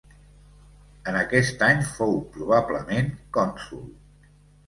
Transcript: En aquest any fou probablement cònsol.